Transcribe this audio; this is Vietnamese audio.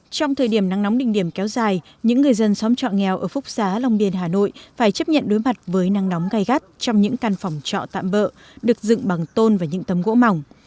trong thời điểm nắng nóng đỉnh điểm kéo dài những người dân xóm trọ nghèo ở phúc xá long biên hà nội phải chấp nhận đối mặt với nắng nóng gai gắt trong những căn phòng trọ tạm bỡ được dựng bằng tôn và những tấm gỗ mỏng